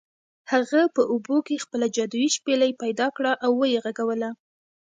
هغه په اوبو کې خپله جادويي شپیلۍ پیدا کړه او و یې غږوله.